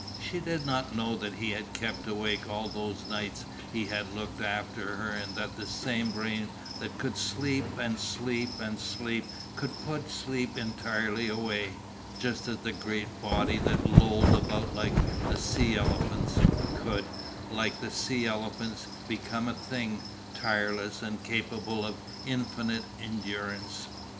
She did not know that he had kept awake all those nights he had looked after her and that the same brain that could sleep and sleep and sleep could put sleep entirely away, just as the great body that lolled about like the sea elephants, could, like the sea elephants, become a thing, tireless, and capable of infinite endurance.